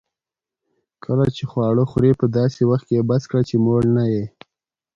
کله چي خواړه خورې؛ په داسي وخت کښې بس کړئ، چي موړ نه يې.